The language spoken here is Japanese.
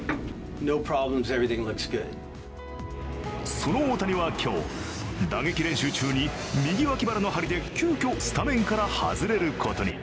その大谷は今日、打撃練習中に右脇腹の張りで急きょ、スタメンから外れることに。